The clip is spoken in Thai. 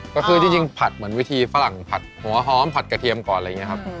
ก็คือที่จริงผัดเหมือนวิธีฝรั่งผัดหัวหอมผัดกระเทียมก่อนอะไรอย่างนี้ครับ